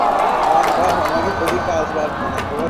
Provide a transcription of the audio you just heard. অহ, ধ্যাত!